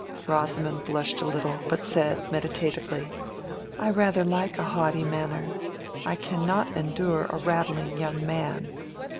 Rosamond blushed a little, but said, meditatively, "I rather like a haughty manner. I cannot endure a rattling young man."